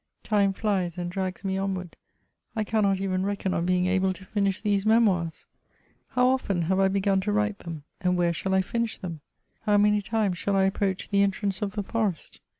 Time flies and drags me onward ; I cannot even reckon on being able to finish these Memoirs. How often have I begun to write them, and where shall I finish them ? How many times shall I approach the entrance of the forest